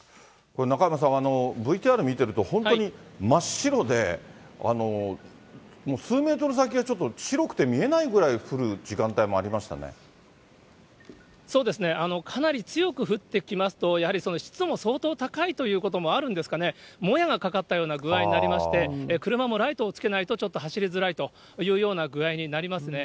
中山さん、ＶＴＲ見てると本当に真っ白で、数メートル先がちょっと白くて見えないぐらい降る時間帯もありまそうですね、かなり強く降ってきますと、やはり湿度も相当高いということもあるんですかね、もやがかかったような具合になりまして、車もライトをつけないとちょっと走りづらいというような具合になりますね。